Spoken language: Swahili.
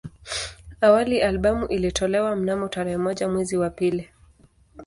Awali albamu ilitolewa mnamo tarehe moja mwezi wa pili